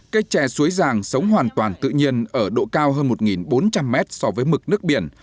cây tre suối giàng sống hoàn toàn tự nhiên ở độ cao hơn một bốn trăm linh mét so với mực nước biển